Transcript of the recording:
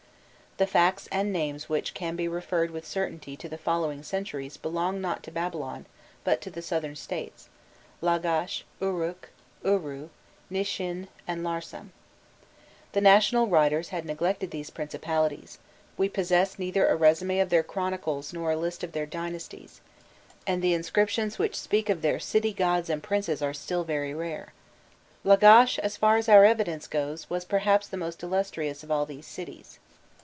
The facts and names which can be referred with certainty to the following centuries belong not to Babylon, but to the southern States, Lagash, Uruk, Uru, Nishin, and Larsam. The national writers had neglected these principalities; we possess neither a resume of their chronicles nor a list of their dynasties, and the inscriptions which speak of their the arms of the city gods and princes are still very rare and kings of Lagash. Lagash, as far as our evidence goes, was, perhaps, the most illustrious of all these cities.